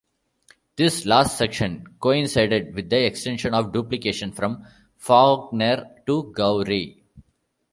This last section coincided with extension of duplication from Fawkner to Gowrie.